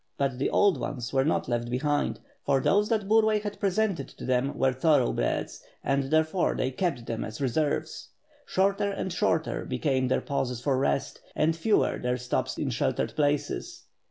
But the old ones were not left behind; for those that Burlay had present d to them were thoroughbreds, and therefore they kept them as re serves. Shorter and shorter became their pauses for rest, and fewer their stops in sheltered places.